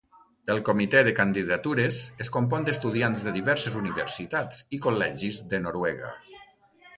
El Comitè de Candidatures es compon d'estudiants de diverses universitats i col·legis de Noruega.